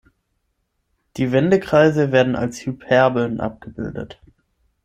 Die Wendekreise werden als Hyperbeln abgebildet.